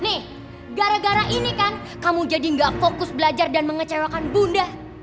nih gara gara ini kan kamu jadi gak fokus belajar dan mengecewakan bunda